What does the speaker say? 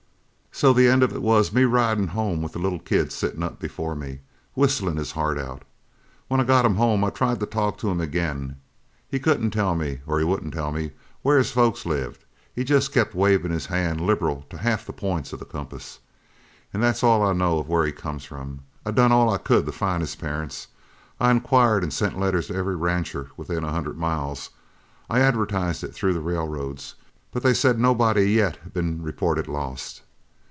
"So the end of it was me ridin' home with the little kid sittin' up before me, whistlin' his heart out! When I got him home I tried to talk to him again. He couldn't tell me, or he wouldn't tell me where his folks lived, but jest kept wavin' his hand liberal to half the points of the compass. An' that's all I know of where he come from. I done all I could to find his parents. I inquired and sent letters to every rancher within a hundred miles. I advertised it through the railroads, but they said nobody'd yet been reported lost.